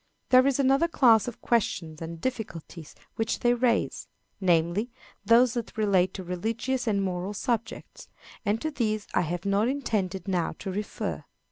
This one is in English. There is another class of questions and difficulties which they raise namely, those that relate to religious and moral subjects; and to these I have not intended now to refer.